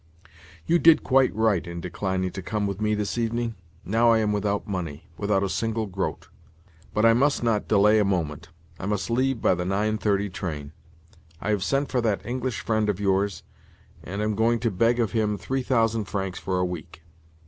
You did quite right in declining to come with me this evening. Now I am without money—without a single groat. But I must not delay a moment; I must leave by the 9:30 train. I have sent for that English friend of yours, and am going to beg of him three thousand francs for a week.